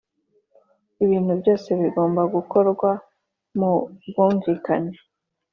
ibintu byose bigomba gukorwa mubwumvikane